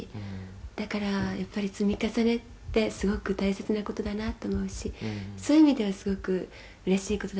「だからやっぱり積み重ねってすごく大切な事だなと思うしそういう意味ではすごくうれしい事だなと思います」